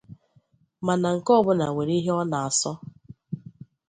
mana nke ọbụla nwere ihe ọ na-asọ